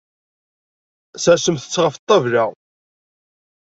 Sersemt-t ɣef ṭṭabla.